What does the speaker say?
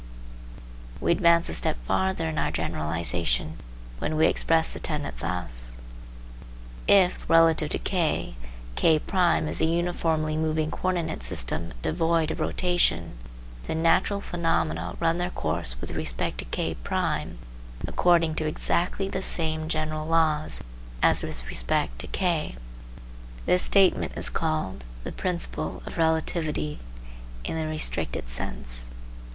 We advance a step farther in our generalisation when we express the tenet thus: If, relative to K, K1 is a uniformly moving co ordinate system devoid of rotation, then natural phenomena run their course with respect to K1 according to exactly the same general laws as with respect to K. This statement is called the principle of relativity (in the restricted sense).